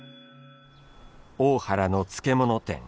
大原の漬物店。